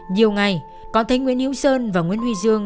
nhiều ngày có thấy nguyễn hiếu sơn và nguyễn huy dương